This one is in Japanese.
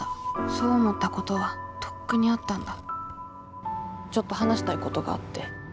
そう思ったことはとっくにあったんだちょっと話したいことがあって。